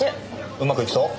うまくいきそう？